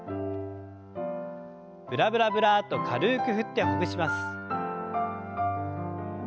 ブラブラブラッと軽く振ってほぐします。